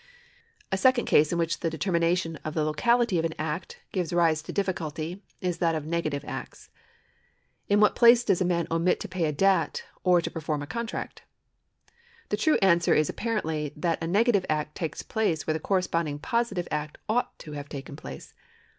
^ A second case in which the determination of the locality of an act gives rise to difficulty is that of negative acts. In what place does a man omit to pay a debt or to perform a contract ? The true answer is a])pa rcntly that a negative act takes place where the corresponding positive act ought to have taken place.